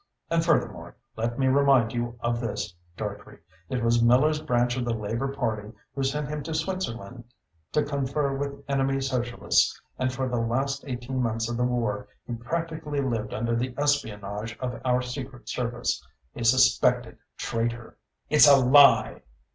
And furthermore, let me remind you of this, Dartrey. It was Miller's branch of the Labour Party who sent him to Switzerland to confer with enemy Socialists and for the last eighteen months of the war he practically lived under the espionage of our secret service a suspected traitor." "It's a lie!"